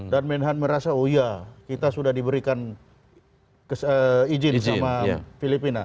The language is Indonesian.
dan menhan merasa oh ya kita sudah diberikan izin sama filipina